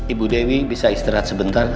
ibu dewi bisa istirahat sebentar